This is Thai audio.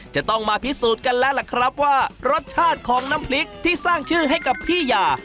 จะต้องมาพิสูจน์กันแล้วล่ะครับว่ารสชาติของน้ำพริกที่สร้างชื่อให้กับพี่ยา